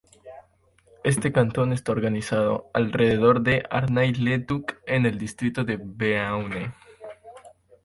Este cantón está organizado alrededor de Arnay-le-Duc en el distrito de Beaune.